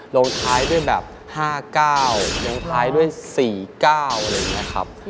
ลงท้ายด้วยแบบ๕๙ลงท้ายด้วย๔๙อะไรอย่างนี้ครับ